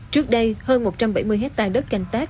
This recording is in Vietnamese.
trước đây hơn một trăm bảy mươi hectare đất canh tác